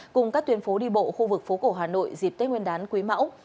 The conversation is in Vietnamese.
cùng các tuyến phố đi bộ khu vực phố cổ hà nội dịp tết nguyên đán quý mão